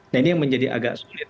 nah ini yang menjadi agak sulit